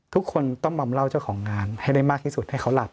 ทุกคนต้องมอมเหล้าเจ้าของงานให้ได้มากที่สุดให้เขาหลับ